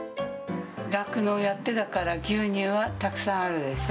酪農やってたから牛乳はたくさんあるでしょ。